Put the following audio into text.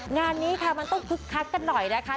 งานนี้ค่ะมันต้องคึกคักกันหน่อยนะคะ